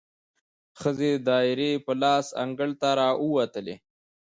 ښځې دایرې په لاس انګړ ته راووتلې،